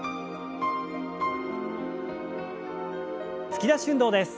突き出し運動です。